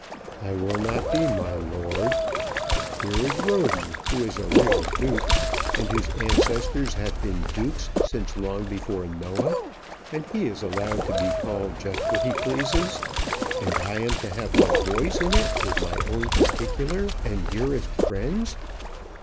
"I will not be 'my lord.' Here is Roden, who is a real duke, and whose ancestors have been dukes since long before Noah, and he is allowed to be called just what he pleases, and I am to have no voice in it with my own particular and dearest friends!